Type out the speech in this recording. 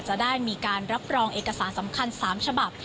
จะได้มีการรับรองเอกสารสำคัญ๓ฉบับ